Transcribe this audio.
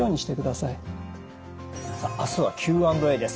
さあ明日はＱ＆Ａです。